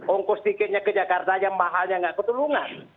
ongkos tiketnya ke jakarta aja mahalnya nggak ketulungan